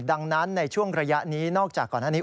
ดังนั้นในช่วงระยะนี้นอกจากก่อนหน้านี้